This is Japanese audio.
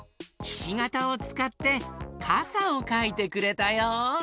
ひしがたをつかってかさをかいてくれたよ。